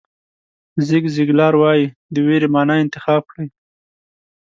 زیګ زیګلار وایي د وېرې معنا انتخاب کړئ.